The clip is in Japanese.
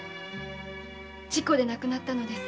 事故で亡くなったのです。